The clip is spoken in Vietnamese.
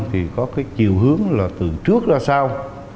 thì có chiều hướng là từ trước ra sau